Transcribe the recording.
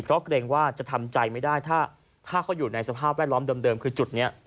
เพราะเกรงว่าจะทำใจไม่ได้ถ้าเขาอยู่ในสภาพแวดล้อมเดิมคือจุดนี้